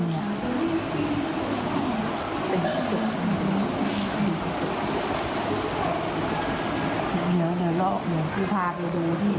เดี๋ยวเราออกหนูพาไปดูดิ